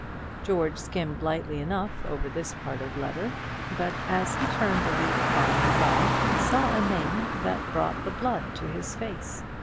George skimmed lightly enough over this part of the letter; but as he turned the leaf by and by, he saw a name that brought the blood to his face.